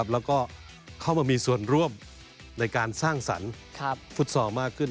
แล้วก็เข้ามามีส่วนร่วมในการสร้างสรรค์ฟุตซอลมากขึ้น